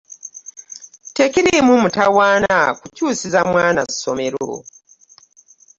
Tekiriimu mutawaana kukyusiza mwana ssomero.